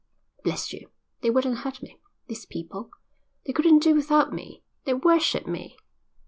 "Bless you, they wouldn't hurt me, these people. They couldn't do without me. They worship me.